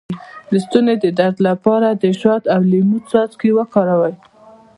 د ستوني د درد لپاره د شاتو او لیمو څاڅکي وکاروئ